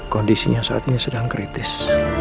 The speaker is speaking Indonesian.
kondisinya saat ini sedang kritis